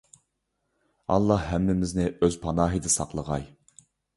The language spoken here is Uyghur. ئاللاھ ھەممىمىزنى ئۆز پاناھىدا ساقلىغاي!